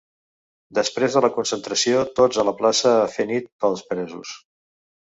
Després de la concentració tots a la plaça a fer nit pels presos.